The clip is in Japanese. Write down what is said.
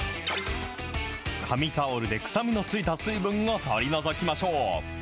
紙タオルで臭みのついた水分を取り除きましょう。